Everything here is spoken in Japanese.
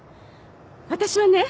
私はね